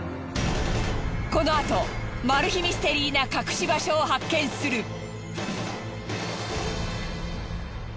このあとマル秘ミステリーな隠し場所を発見する。